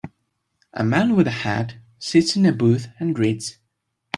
A man with a hat sits in a booth and reads